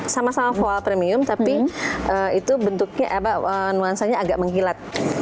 sama sama foll premium tapi itu bentuknya nuansanya agak menghilat